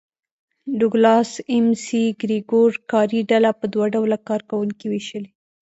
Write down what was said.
ډوګلاس اېم سي ګرېګور کاري ډله په دوه ډوله کار کوونکو وېشلې.